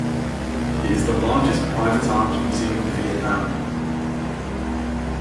It is the largest private arms museum in Vietnam.